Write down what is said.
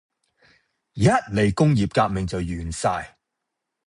一嚟工業革命就完晒